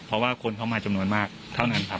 เพราะว่าคนเข้ามาจำนวนมากเท่านั้นครับ